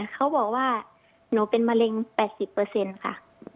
เขาบอกว่าหนูเป็นมะเร็ง๘๐ค่ะ